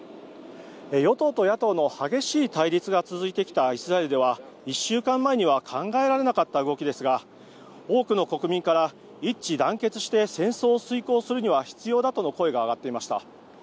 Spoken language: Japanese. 与党と野党の激しい対立が続いてきたイスラエルは１週間前には考えられなかった動きですが多くの国民から一致団結して戦争を遂行するには必要だとの声が上がっていました。